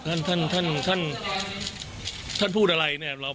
เพราะฉะนั้นท่านพูดอะไรเนี่ย